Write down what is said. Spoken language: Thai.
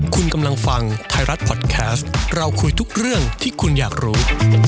คุณกำลังฟังไทยรัฐพอดแคสต์เราคุยทุกเรื่องที่คุณอยากรู้